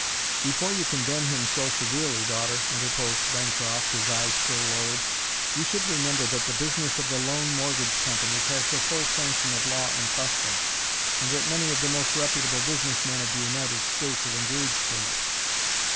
"Before you condemn him so severely, daughter," interposed Bancroft, his eyes still lowered, "you should remember that the business of the loan mortgage companies has the full sanction of law and custom, and that many of the most reputable business men of the United States have engaged in it."